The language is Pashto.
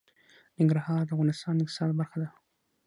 ننګرهار د افغانستان د اقتصاد برخه ده.